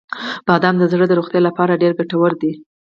• بادام د زړه د روغتیا لپاره ډیره ګټور دی.